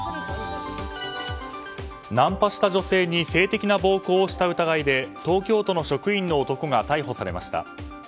ナンパした女性に性的な暴行をした疑いで東京都の職員の男が逮捕されました。